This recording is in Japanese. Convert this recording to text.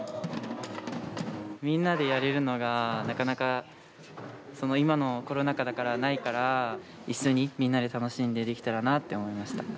みんなでやれるのがなかなか今のコロナ禍だからないから一緒にみんなで楽しんでできたらなって思いました。